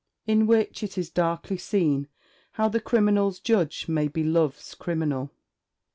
IN WHICH IT IS DARKLY SEEN HOW THE CRIMINAL'S JUDGE MAY BE LOVE'S CRIMINAL.